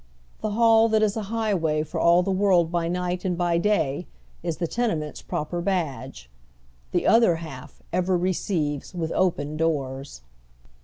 The hall that is a high way for all the world by night and by day is the tene ment's proper badge. The Other Half ever receives with open doors.